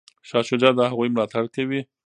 شاه شجاع د هغوی ملاتړ کوي.